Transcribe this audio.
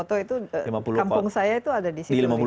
dan lima puluh kota itu kampung saya itu ada di situ